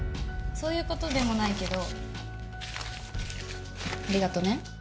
そういう事でもないけどありがとね。